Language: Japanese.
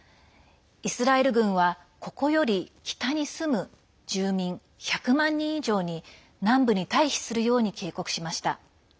イスラエル軍はここより北に住む住民１００万人以上に、南部に退避するように警告しました。